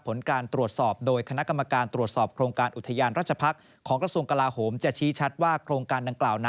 ผลการตรวจสอบโดยคณะกรมการ